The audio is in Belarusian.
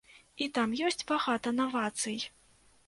І там ёсць багата навацый.